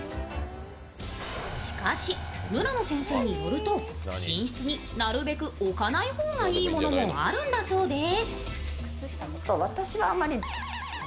しかし村野先生によると寝室になるべく置かない方がいいものもあるんだそうです。